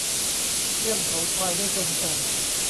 เสี้ยมเขาควายให้ชนกัน